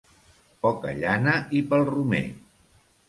Poca llana i pel romer.